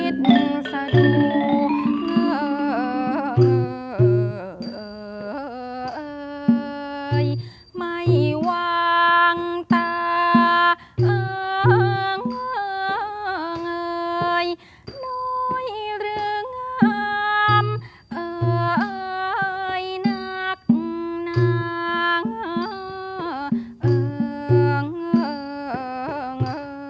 เท่าชิ้นคิดสะดุไม่วางตาน้อยหรืองามนักนาง